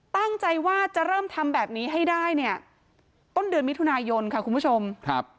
ตั้งใจว่าจะเริ่มทำแบบนี้ให้ได้เนี่ยต้นเดือนมิถุนายนค่ะคุณผู้ชมครับ